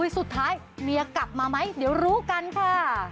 สุดท้ายเมียกลับมาไหมเดี๋ยวรู้กันค่ะ